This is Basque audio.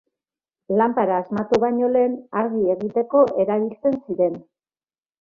Lanpara asmatu baino lehen, argi egiteko erabiltzen ziren.